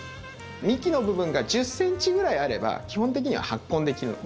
幹の部分が１０ｃｍぐらいあれば基本的には発根できるので。